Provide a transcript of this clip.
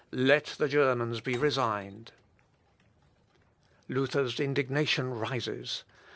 Let the Germans be resigned.'" Luther's indignation rises.